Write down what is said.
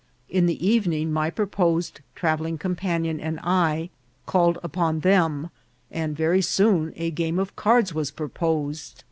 In the evening my proposed travelling companion and I called upon them, and very soon a game of cards was proposed.